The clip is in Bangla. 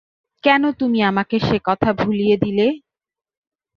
কেন তুমি আমাকে সেকথা ভুলিয়ে দিলে?